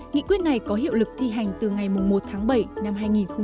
nghị quyết này có hiệu lực thi hành từ ngày một tháng bảy năm hai nghìn chín